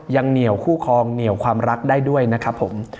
เหนียวคู่คลองเหนียวความรักได้ด้วยนะครับผม